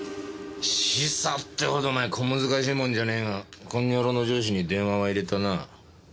示唆ってほどお前小難しいもんじゃねえがこの野郎の上司に電話は入れたな。